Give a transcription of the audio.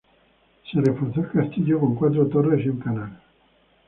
Se reforzó el castillo con cuatro torres y un canal.